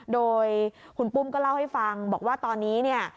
โดยคุณปุ้มก็เล่าให้ฟังบอกว่าตอนนี้เนี่ย